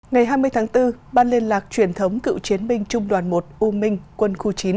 ngày hai mươi tháng bốn ban liên lạc truyền thống cựu chiến binh trung đoàn một u minh quân khu chín